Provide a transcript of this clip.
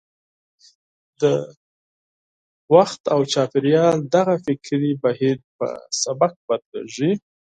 د مهال او چاپېریال دغه فکري بهیر په سبک بدلېږي.